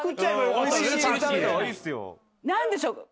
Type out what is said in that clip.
何でしょう？